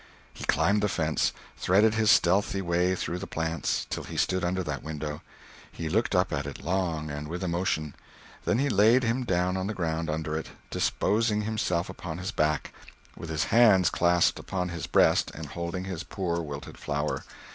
He climbed the fence, threaded his stealthy way through the plants, till he stood under that window; he looked up at it long, and with emotion; then he laid him down on the ground under it, disposing himself upon his back, with his hands clasped upon his breast and holding his poor wilted flower.